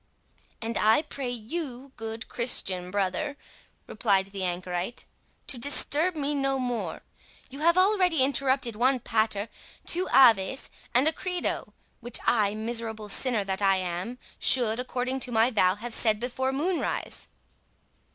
"And I pray you, good Christian brother," replied the anchorite, "to disturb me no more. You have already interrupted one 'pater', two 'aves', and a 'credo', which I, miserable sinner that I am, should, according to my vow, have said before moonrise."